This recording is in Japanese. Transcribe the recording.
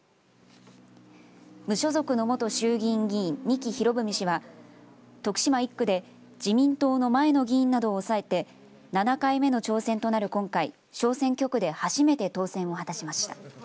無所属の元衆議院議員仁木博文氏は徳島１区で自民党の前の議員などを抑えて７回目の挑戦となる今回小選挙区で初めて当選を果たしました。